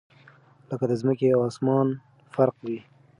لكه دځمكي او اسمان فرق وي